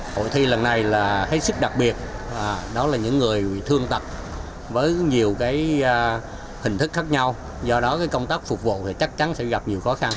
hội thi lần này là hết sức đặc biệt đó là những người thương tật với nhiều hình thức khác nhau do đó công tác phục vụ thì chắc chắn sẽ gặp nhiều khó khăn